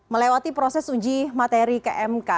melewati proses uji materi kmk